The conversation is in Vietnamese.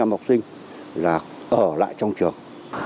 một trăm linh học sinh là ở lại trong trường